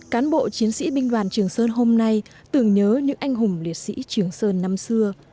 cán bộ chiến sĩ binh đoàn trường sơn hôm nay tưởng nhớ những anh hùng liệt sĩ trường sơn năm xưa